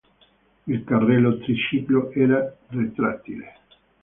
Il carrello triciclo era retrattile.